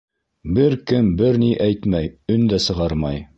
Бер кем бер ни әйтмәй, өн дә сығармай.